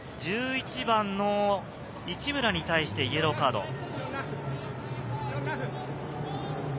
１１番の一村に対してイエローカード。